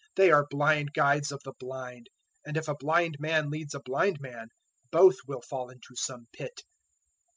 They are blind guides of the blind; and if a blind man leads a blind man, both will fall into some pit."